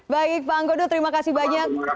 baik pak anggodo terima kasih banyak